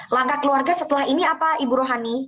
langkah keluarga setelah ini apa ibu rohani